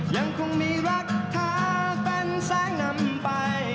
ยังคงมีรักษาเป็นแสงนำไป